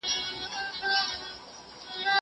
زه اوس ليکلي پاڼي ترتيب کوم!!